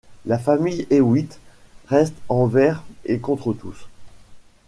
La famille Hewitt reste envers et contre tous.